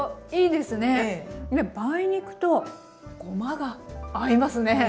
で梅肉とごまが合いますね。